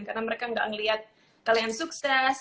karena mereka gak ngelihat kalian sukses